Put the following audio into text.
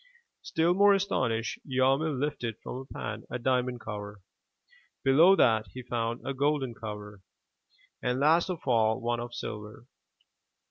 Still more astonished, Yarmil lifted from the pan a diamond cover. Below that, he found a golden cover, and last of all one of silver.